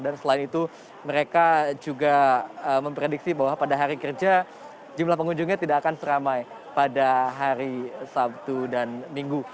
dan selain itu mereka juga memprediksi bahwa pada hari kerja jumlah pengunjungnya tidak akan seramai pada hari sabtu dan minggu